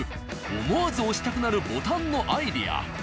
思わず押したくなるボタンのアイデア。